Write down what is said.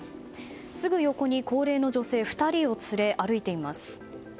すぐ横に高齢の女性２人を連れ歩いています。